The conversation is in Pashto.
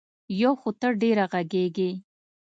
یو خو ته ډېره غږېږې.